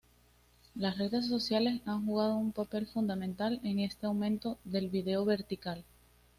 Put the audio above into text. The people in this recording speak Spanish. Las redes sociales han jugado un papel fundamental en este aumento del vídeo vertical.